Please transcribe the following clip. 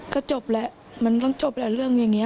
ก็จบแหละมันต้องจบแล้วเรื่องอย่างนี้